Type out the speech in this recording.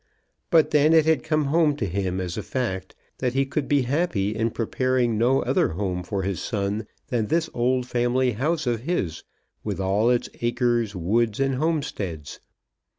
But then it had come home to him as a fact, that he could be happy in preparing no other home for his son than this old family house of his, with all its acres, woods, and homesteads.